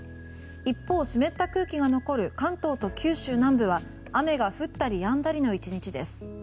一方、湿った空気が残る関東と九州南部は雨が降ったりやんだりの１日です。